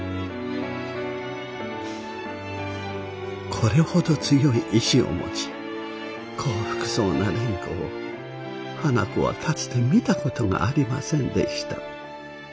これほど強い意志を持ち幸福そうな蓮子を花子はかつて見た事がありませんでした。